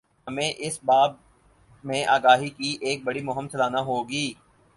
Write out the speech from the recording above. ہمیں اس باب میں آگاہی کی ایک بڑی مہم چلانا ہو گی۔